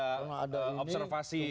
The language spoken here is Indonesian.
karena ada observasi itu